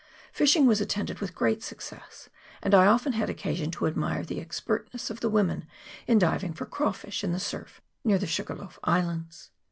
Fishing was at tended with great success, and I often had occasion to admire the expertness of the women in diving for crawfish in the surf near the Sugarloaf Islands.